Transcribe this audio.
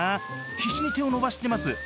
必死に手を伸ばしてます。